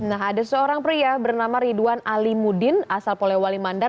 nah ada seorang pria bernama ridwan ali mudin asal polewali mandar